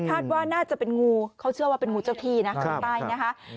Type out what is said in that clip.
คาดว่าน่าจะเป็นงูเขาเชื่อว่าเป็นงูเจ้าที่นะคนใต้นะคะ